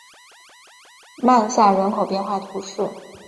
曼萨人口变化图示